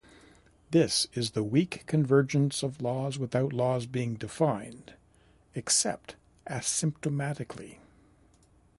This is the "weak convergence of laws without laws being defined" - except asymptotically.